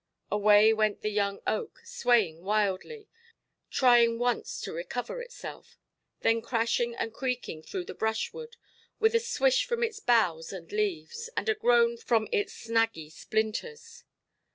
Away went the young oak, swaying wildly, trying once to recover itself, then crashing and creaking through the brushwood, with a swish from its boughs and leaves, and a groan from its snaggy splinters.